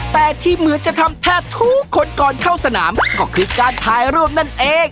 แต่ที่เหมือนจะทำแทบทุกคนก่อนเข้าสนามก็คือการถ่ายรูปนั่นเอง